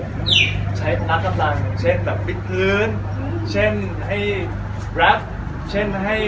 ก็ก็จะเป็นการแต่งงามไทยที่ดีพลาสติกอยู่สม่อย